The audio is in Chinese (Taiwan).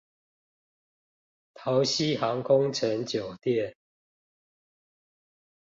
桃禧航空城酒店